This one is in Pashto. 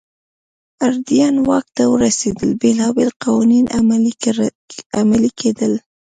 ادریان واک ته ورسېدل بېلابېل قوانین عملي کېدل.